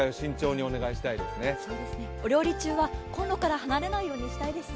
お料理中はこんろから離れないようにしたいですね。